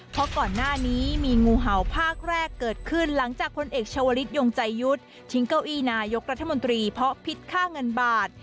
เพราะก่อนหน้านี้มีงูเห่าภาคแรกเกิดขึ้นหลังจากพลเอกชาวลิศยงใจยุทธ์ทิ้งเก้าอี้นายกรัฐมนตรีเพราะพิษค่าเงินบาท